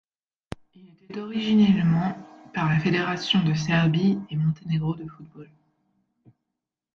Il était originellement par la Fédération de Serbie et Monténégro de football.